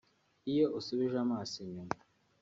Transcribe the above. Iyo usubije amaso inyuma